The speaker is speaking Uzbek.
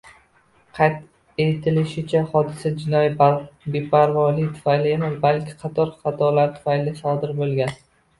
Qayd etilishicha, hodisa jinoiy beparvolik tufayli emas, balki qator xatolar tufayli sodir bo‘lgan